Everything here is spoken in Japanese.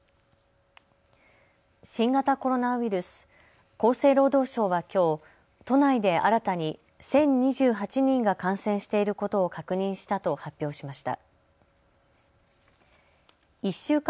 新型コロナウイルス、厚生労働省はきょう都内で新たに１０２８人が感染していることを確認したと発表しました。